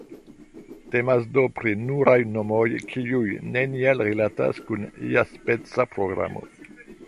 Temas do pri nuraj nomoj, kiuj neniel rilatas kun iaspeca programo.